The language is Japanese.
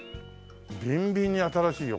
ビンビンに新しいよ